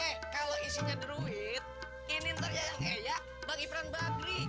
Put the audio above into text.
eh kalau isinya druid ini ntar yang eya bang iparan bagri